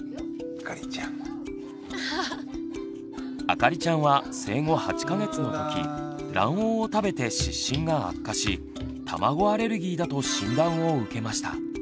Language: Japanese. あかりちゃんは生後８か月の時卵黄を食べて湿疹が悪化し卵アレルギーだと診断を受けました。